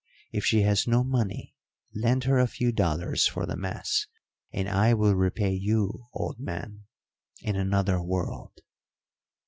If she has no money lend her a few dollars for the mass, and I will repay you, old man, in another world.'